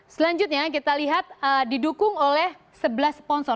selanjutnya kita lihat didukung oleh sebelas sponsor